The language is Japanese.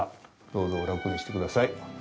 どうぞ、お楽にしてください。